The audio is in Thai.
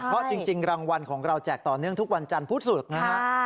เพราะจริงรางวัลของเราแจกต่อเนื่องทุกวันจันทร์พุธศุกร์นะฮะ